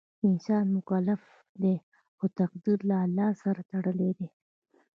انسان مکلف دی خو تقدیر له الله سره تړلی دی.